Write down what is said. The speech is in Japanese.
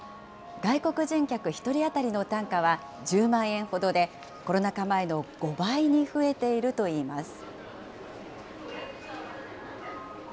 外国人客１人当たりの単価は１０万円ほどで、コロナ禍前の５倍に増えているといいます。